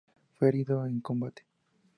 Fue herido en combate.